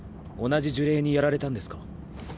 同じ呪霊にやられたんですか？